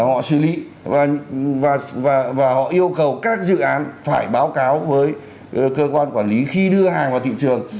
họ xử lý và họ yêu cầu các dự án phải báo cáo với cơ quan quản lý khi đưa hàng vào thị trường